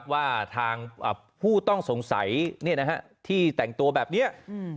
ว่าทางผู้ต้องสงสัยที่แต่งตัวแบบนี้